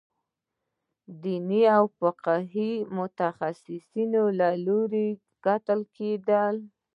د دیني او فقهي متخصصینو له لوري کتل کېدل.